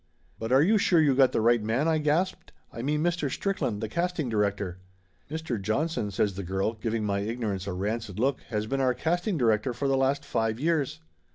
"But are you sure you got the right man ?" I gasped. "I mean Mr. Strickland, the casting director !" "Mr. Johnson," says the girl, giving my ignorance a rancid look, "has been our casting director for the last five years."